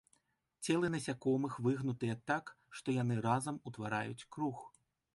Целы насякомых выгнутыя так, што яны разам утвараюць круг.